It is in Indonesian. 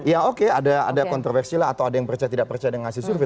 ya oke ada kontroversi lah atau ada yang percaya tidak percaya dengan hasil survei